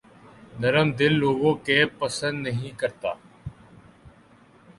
نرم دل لوگوں کے پسند نہیں کرتا